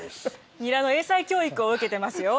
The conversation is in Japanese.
ニラの英才教育を受けてますよ。